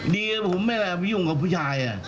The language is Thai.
ดีว่าผมไม่เห็นยุ่งกับผู้ชาย